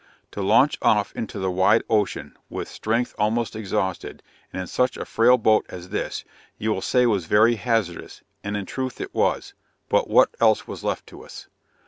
To launch off into the wide ocean, with strength almost exhausted, and in such a frail boat as this, you will say was very hazardous, and in truth it was; but what else was left to us?